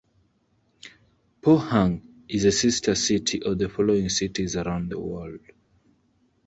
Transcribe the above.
Pohang is a sister city of the following cities around the world.